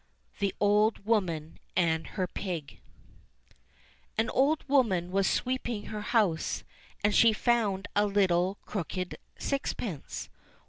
THE OLD WOMAN AND HER PIG AN old woman was sweeping her house, and she found a httle crooked sixpence.